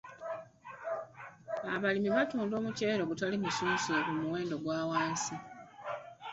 Abalimi batunda omuceere ogutali musunsule ku muwendo ogwa wansi.